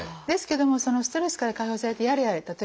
ですけどもそのストレスから解放されて「やれやれ」。